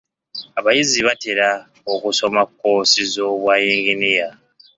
Abayizi batera okusoma koosi z'obwa yinginiya.